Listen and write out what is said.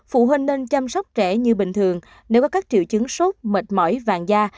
phụ huynh nên chăm sóc trẻ như bình thường nếu có các triệu chứng sốt mệt mỏi vàng da